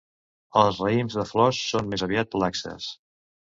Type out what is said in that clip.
Els raïms de flors són més aviat laxes.